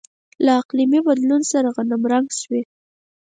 له اقلیمي بدلون سره غنمرنګ شوي.